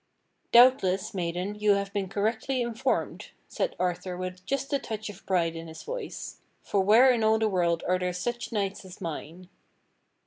"Doubtless, maiden, you have been correctly informed," said Arthur with just a touch of pride in his voice, "for where in all the world are there such knights as mine?"